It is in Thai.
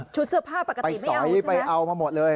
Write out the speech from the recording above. เสื้อผ้าปกติไปสอยไปเอามาหมดเลย